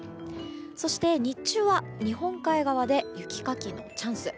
そして、日中は日本海側で雪かきのチャンス。